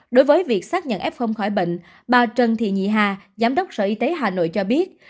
đối với việc xác nhận f khỏi bệnh bà trần thị nhị hà giám đốc sở y tế hà nội cho biết